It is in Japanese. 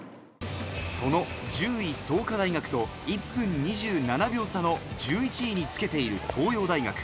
その１０位・創価大学と１分２７秒差の１１位につけている東洋大学。